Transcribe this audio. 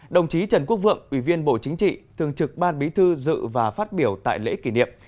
đồng chí trần quốc vượng ủy viên bộ chính trị thường trực ban bí thư dự và phát biểu tại lễ kỷ niệm